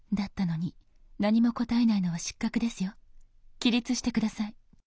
起立して下さい。